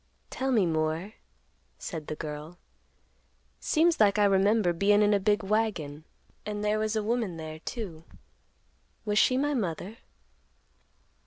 "Tell me more," said the girl. "Seems like I remember bein' in a big wagon, and there was a woman there too; was she my mother?"